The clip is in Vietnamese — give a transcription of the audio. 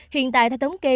hiện tại theo thống kê